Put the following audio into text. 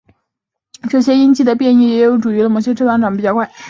这些因基的变异也许有助于了解为何某些膀膀胱癌长得比较快。